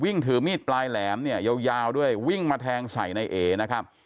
ถือมีดปลายแหลมเนี่ยยาวด้วยวิ่งมาแทงใส่ในเอนะครับ